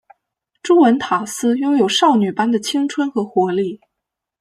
朱文塔斯拥有少女般的青春和活力。